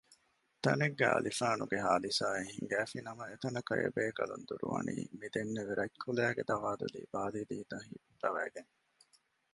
ތަނެއްގައި އަލިފާނުގެ ހާދިސާއެއް ހިނގައިފިނަމަ އެތަނަކަށް އެބޭކަލުން ދުރުވަނީ މިދެންނެވި ރަތް ކުލައިގެ ދަވާދުލީ ބާލިދީތައް ހިއްޕަވައިގެން